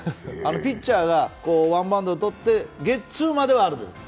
ピッチャーがワンバウンドをとってゲッツーまではあるのよ。